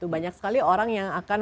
banyak sekali orang yang akan